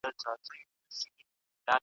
چي نه غضب د محتسب وي نه دُره د وحشت .